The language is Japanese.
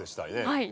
はい。